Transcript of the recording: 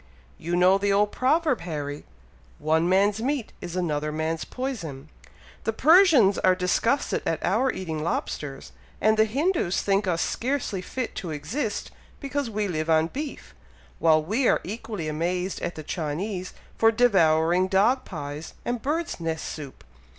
"You know the old proverb, Harry, 'one man's meat is another man's poison.' The Persians are disgusted at our eating lobsters; and the Hindoos think us scarcely fit to exist, because we live on beef; while we are equally amazed at the Chinese for devouring dog pies, and birds' nest soup.